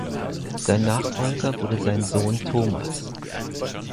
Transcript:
Sein Nachfolger wurde sein Sohn Thomas.